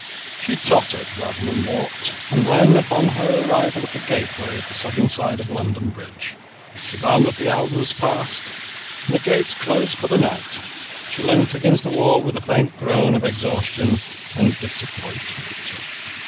She tottered rather than walked, and when, upon her arrival at the gateway on the southern side of London Bridge, she found that the hour was past and the gates closed for the night, she leant against the wall with a faint groan of exhaustion and disappointment.